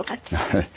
はい。